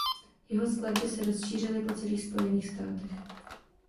Jeho skladby se rozšířily po celých spojených státech.